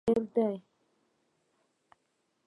اسرار باچا ښه شاعر دئ.